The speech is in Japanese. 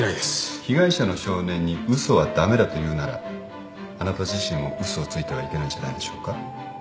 被害者の少年に嘘は駄目だと言うならあなた自身も嘘をついてはいけないんじゃないでしょうか。